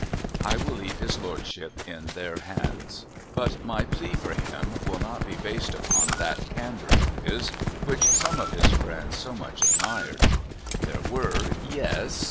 I will leave his Lordship in their hands. But my plea for him will not be based upon that Candour of his, which some of his friends so much admired. There were, yes!